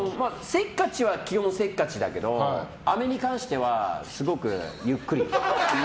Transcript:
基本せっかちだけどアメに関してはすごくゆっくり。